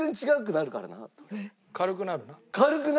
「軽くなる」な。